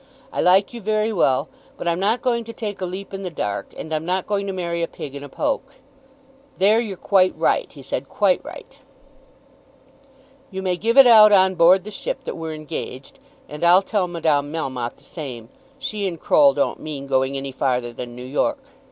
I like you very well, but I'm not going to take a leap in the dark, and I'm not going to marry a pig in a poke." "There you're quite right," he said, "quite right." "You may give it out on board the ship that we're engaged, and I'll tell Madame Melmotte the same. She and Croll don't mean going any farther than New York."